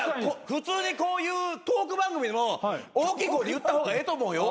普通にこういうトーク番組でも大きい声で言った方がええと思うよ。